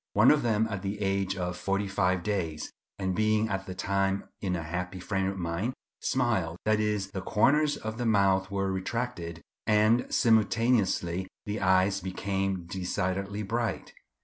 One of them at the age of forty five days, and being at the time in a happy frame of mind, smiled; that is, the corners of the mouth were retracted, and simultaneously the eyes became decidedly bright.